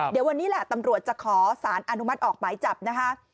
เดี๋ยววันนี้แหละตำรวจจะขอสารอนุมัติออกหมายจับนะคะ